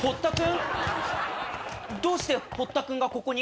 どうしてホッタ君がここに？